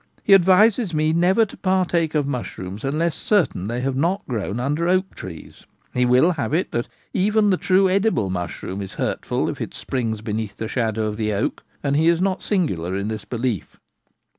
He advises me never to partake of mushrooms unless certain that they have not grown under oak trees : he will have it that even the true edible mushroom is hurtful if it springs beneath the shadow of the oak. And he is not singular in this belief.